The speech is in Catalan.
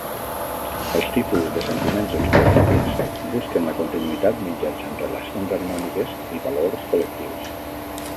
Els tipus de sentiments extrovertits busquen la continuïtat mitjançant relacions harmòniques i valors col·lectius.